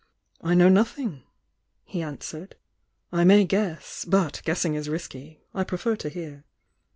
"I know nothing!" he answered— "I may guess— l)ut guessing is risky. I prefer to hear."